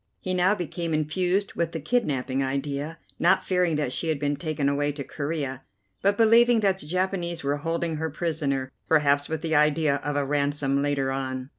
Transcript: He now became infused with the kidnapping idea, not fearing that she had been taken away to Corea, but believing that the Japanese were holding her prisoner, perhaps with the idea of a ransom later on.